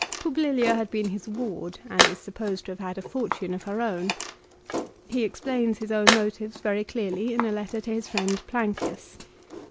Publilia had been his ward, and is supposed to have had a fortune of her own. He explains his own motives very clearly in a letter to his friend Plancius.